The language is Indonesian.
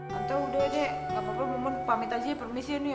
tante udah deh gapapa mumun pamit aja ya permisi ya nih ya